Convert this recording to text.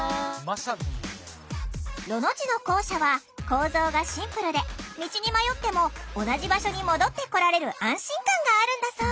ロの字の校舎は構造がシンプルで道に迷っても同じ場所に戻ってこられる安心感があるんだそう。